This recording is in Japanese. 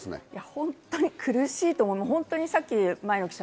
本当に苦しいと思います。